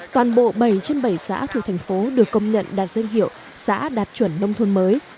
toàn bộ bảy trên bảy xã thuộc thành phố được công nhận đạt danh hiệu xã đạt chuẩn nông thôn mới